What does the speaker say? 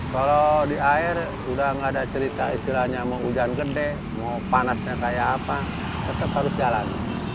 kalau di air sudah nggak ada cerita istilahnya mau hujan gede mau panasnya kayak apa tetap harus jalan